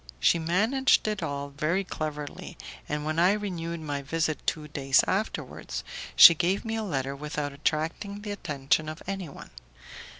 She managed it all very cleverly, and, when I renewed my visit two days afterwards, she gave me a letter without attracting the attention of anyone.